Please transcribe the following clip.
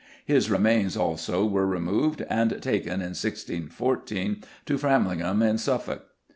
His remains, also, were removed and taken, in 1614, to Framlingham in Suffolk.